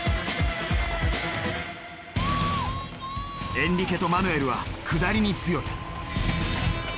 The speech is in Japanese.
エンリケとマヌエルは下りに強い。